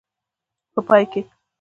په پای کې.